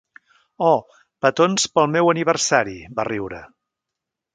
"Oh, petons pel meu aniversari", va riure.